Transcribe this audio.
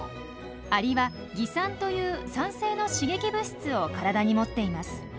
アリは「蟻酸」という酸性の刺激物質を体に持っています。